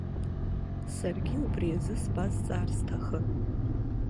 Саргьы убри азы сбазҵаар сҭахын.